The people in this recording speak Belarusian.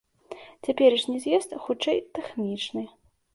Цяперашні з'езд хутчэй тэхнічны.